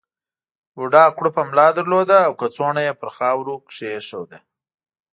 بوډا کړوپه ملا درلوده او کڅوړه یې پر خاورو کېښوده.